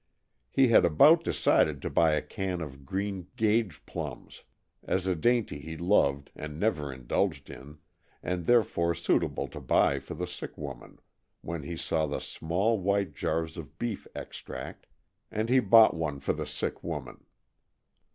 He had about decided to buy a can of green gage plums, as a dainty he loved and never indulged in, and therefore suitable to buy for the sick woman, when he saw the small white jars of beef extract, and he bought one for the sick woman.